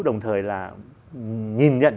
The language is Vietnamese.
đồng thời là nhìn nhận